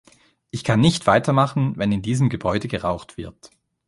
Ich kann nicht weitermachen, wenn in diesem Gebäude geraucht wird.